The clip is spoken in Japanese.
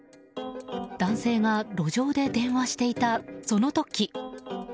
男性が路上で電話していたその時。